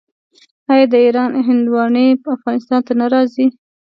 آیا د ایران هندواڼې افغانستان ته نه راځي؟